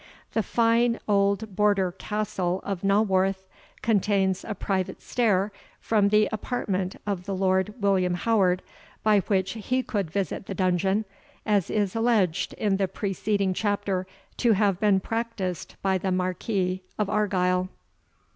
The fine old Border castle of Naworth contains a private stair from the apartment of the Lord William Howard, by which he could visit the dungeon, as is alleged in the preceding chapter to have been practised by the Marquis of Argyle.